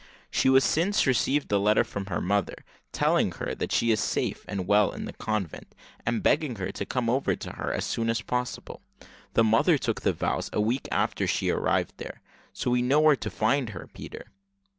She has since received a letter from her mother, telling her that she is safe and well in the convent, and begging her to come over to her as soon as possible. The mother took the vows a week after she arrived there, so we know where to find her, Peter."